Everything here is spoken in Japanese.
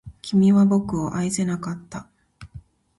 君は僕を愛せなかった